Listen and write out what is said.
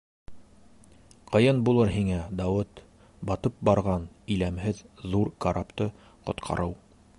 Ҡыйын булыр һиңә, Дауыт, батып барған иләмһеҙ ҙур карапты ҡотҡарыу.